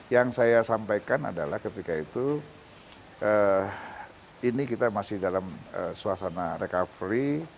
yang saya sampaikan adalah ketika itu ini kita masih dalam suasana recovery